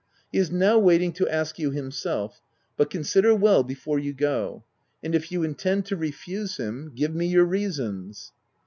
He is now waiting to ask you himself; but consider well before you go ; and if you intend to refuse him, give me your reasons."